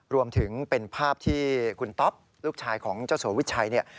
รวมถึงเป็นภาพที่คุณต๊อปลูกชายของเจ้าสัววิชัยเนี่ย